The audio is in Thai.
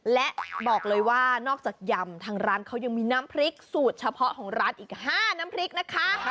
และบอกเลยว่านอกจากยำทางร้านเขายังมีน้ำพริกสูตรเฉพาะของร้านอีก๕น้ำพริกนะคะ